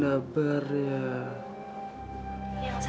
ada mana yang susah ya